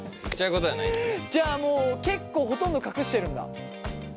じゃあもう結構ほとんど隠してるんだ？